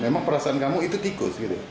memang perasaan kamu itu tikus gitu